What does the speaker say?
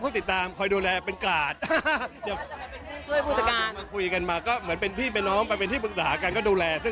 สวัสดีค่ะเดี๋ยววันที่วันที่ตกลงป้าแต่นเดินด้วยวันที่๖